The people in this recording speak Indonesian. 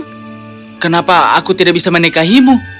kenapa aku tidak bisa menikahimu kenapa aku tidak bisa menikahimu